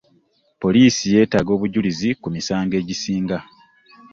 Poliisi yetaaga obujulizi ku misango egisinga.